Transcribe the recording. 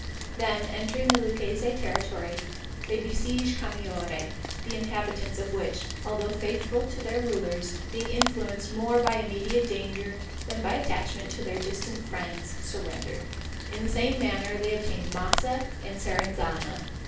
Then, entering the Lucchese territory, they besieged Camaiore, the inhabitants of which, although faithful to their rulers, being influenced more by immediate danger than by attachment to their distant friends, surrendered. In the same manner, they obtained Massa and Serezana.